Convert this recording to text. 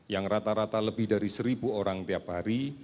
yang rata rata lebih dari seribu orang tiap hari